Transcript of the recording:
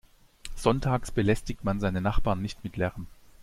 Sonntags belästigt man seine Nachbarn nicht mit Lärm.